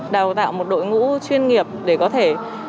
đào tạo một đội ngũ chuyên nghiệp để có thể